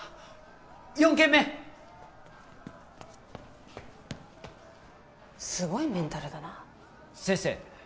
４軒目すごいメンタルだな先生